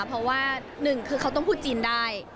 เพราะว่าหนึ่งคือเขาต้องพูดจีนได้